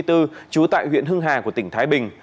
trú tại huyện hưng hà của tỉnh thái bình